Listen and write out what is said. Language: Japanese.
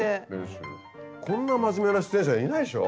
こんな真面目な出演者いないっしょ。